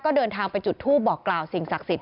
ก็เดินทางไปจุดทูปบอกกล่าวสิ่งศักดิ์สิทธ